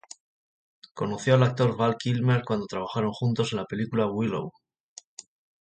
Conoció al actor Val Kilmer cuando trabajaron juntos en la película "Willow".